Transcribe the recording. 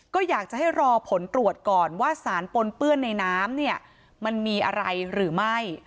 ก็อยากจะให้รอผลตรวจก่อนว่าสารปนเปื้อนในน้ำเนี่ยมันมีอะไรหรือไม่